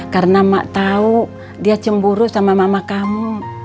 karena mak tahu dia cemburu sama mama kamu